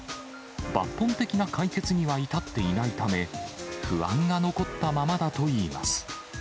抜本的な解決には至っていないため、不安が残ったままだといいます。